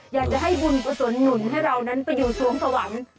อยากจะให้บุญประสวนหนุนให้เรานั้นก็ไปอยู่สวงสว่าง